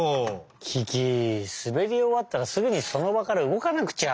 キキすべりおわったらすぐにそのばからうごかなくちゃ。